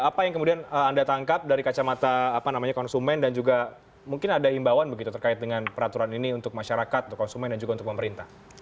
apa yang kemudian anda tangkap dari kacamata konsumen dan juga mungkin ada imbauan begitu terkait dengan peraturan ini untuk masyarakat untuk konsumen dan juga untuk pemerintah